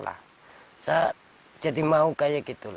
saya jadi mau kayak gitu